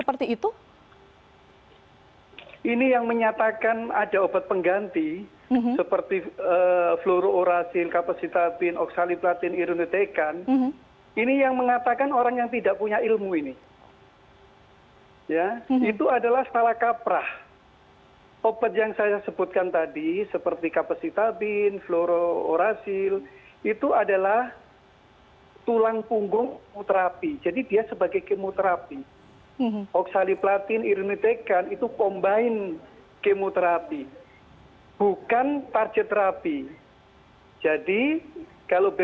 pdib menduga kebijakan tersebut diambil terlebih dahulu sebelum mendengar masukan dari dokter ahli yang menangani kasus